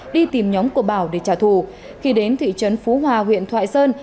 đi tìm nhóm của bảo để trả thù khi đến thị trấn phú hòa huyện thoại sơn